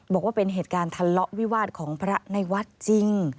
บอกว่าเป็นเหตุการณ์ทะเลาะวิวาสของพระในวัดจริง